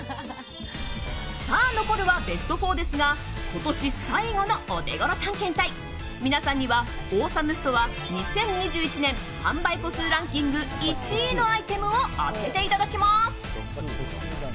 さあ、残るはベスト４ですが今年最後のオテゴロ探検隊皆さんにはオーサムストア２０２１年販売個数ランキング１位のアイテムを当てていただきます。